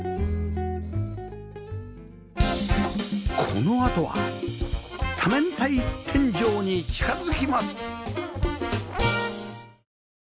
このあとは多面体天井に近づきます！